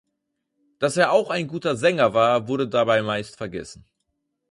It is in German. Dass er auch ein guter Sänger war, wurde dabei meist vergessen.